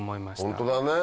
ホントだね。